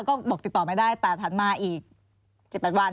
ก็บอกติดตอบไม่ได้แต่ถัดมาอีกเจ็บแปดวัน